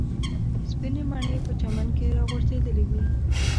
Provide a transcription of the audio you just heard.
سپینې مڼې په چمن کې راغورځېدلې وې.